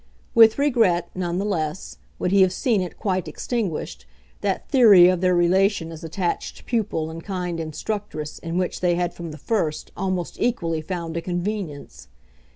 With regret, none the less, would he have seen it quite extinguished, that theory of their relation as attached pupil and kind instructress in which they had from the first almost equally found a convenience.